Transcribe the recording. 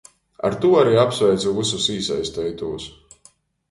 Ar tū ari apsveicu vysus īsaisteitūs.